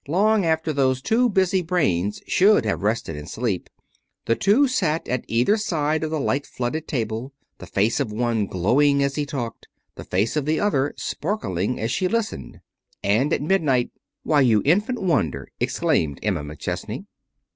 long after those two busy brains should have rested in sleep, the two sat at either side of the light flooded table, the face of one glowing as he talked, the face of the other sparkling as she listened. And at midnight: "Why, you infant wonder!" exclaimed Emma McChesney.